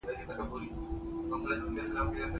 وۍ خدای دې نکي ښه کېږې.